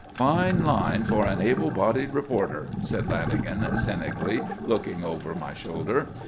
"Fine line for an able bodied reporter," said Lanagan cynically, looking over my shoulder.